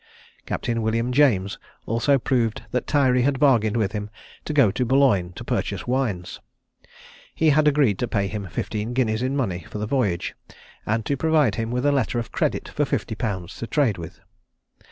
Captain William James also proved that Tyrie had bargained with him to go to Boulogne to purchase wines. He had agreed to pay him fifteen guineas in money for the voyage, and to provide him with a letter of credit for fifty pounds to trade with.